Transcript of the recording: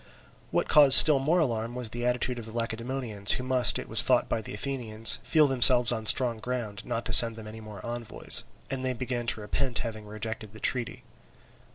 What caused still more alarm was the attitude of the Lacedaemonians, who must, it was thought by the Athenians, feel themselves on strong ground not to send them any more envoys; and they began to repent having rejected the treaty.